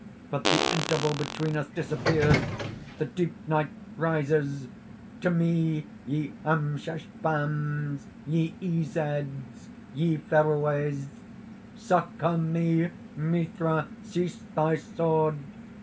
"But the interval between us disappears; the deep night rises! To me! ye Amschaspands, ye Izeds, ye Ferouers! Succor me, Mithra! seize thy sword!